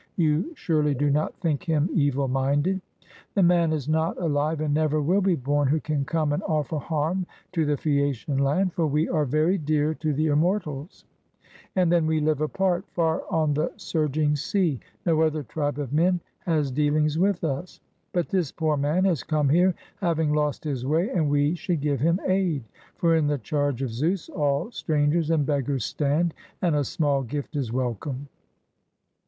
You surely do not think him evil minded. The man is not alive, and never will be born, who can come and offer harm to the Phaeacian land: for we are very dear to the immortals ; and then we live apart, far on the surg ing sea, no other tribe of men has deaUngs with us. But this poor man has come here having lost his way, and we should give him aid ; for in the charge of Zeus all stran gers and beggars stand, and a small gift is welcome.